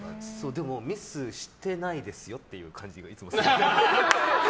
でも、ミスしてないですよっていう感じがいつもする。